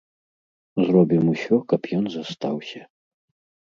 Зробім усё, каб ён застаўся.